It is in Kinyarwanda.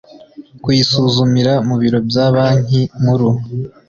Kuyisuzumira mu biro bya banki nkuru